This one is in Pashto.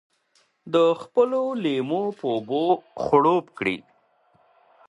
د خپلو لېمو په اوبو خړوب کړي.